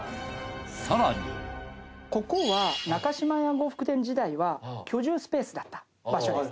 更にここは中島屋呉服店時代は居住スペースだった場所です。